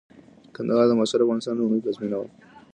کندهار د معاصر افغانستان لومړنۍ پلازمېنه وه.